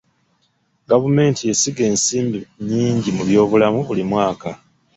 Gavumenti esiga ensimbi nnyingi mu by'obulamu buli mwaka.